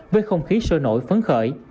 với không khí sôi nổi phấn khởi